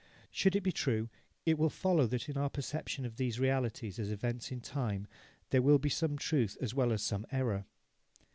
Should it be true, it will follow that in our perception of these realities as events in time, there will be some truth as well as some error.